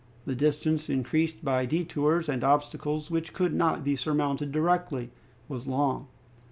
The distance, increased by detours and obstacles which could not be surmounted directly, was long.